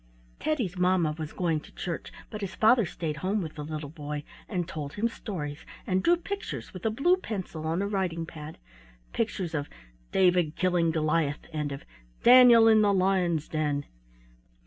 Teddy's mamma was going to church, but his father stayed home with the little boy, and told him stories, and drew pictures with a blue pencil on a writing pad; pictures of "David Killing Goliath," and of "Daniel in the Lions' Den."